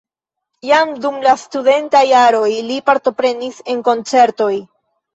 Jam dum la studentaj jaroj li partoprenis en koncertoj.